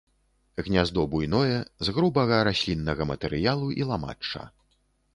Гняздо буйное, з грубага расліннага матэрыялу і ламачча.